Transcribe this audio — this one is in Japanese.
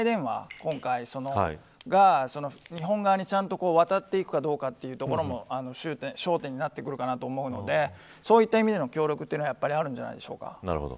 今回、日本側にちゃんと渡っていくというところも焦点になってくるかなと思うのでそういった意味での協力はあるんじゃないでしょうか。